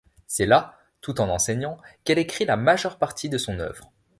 C'est là, tout en enseignant, qu'elle écrit la majeure partie de son œuvre.